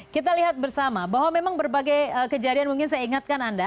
kita lihat bersama bahwa memang berbagai kejadian mungkin saya ingatkan anda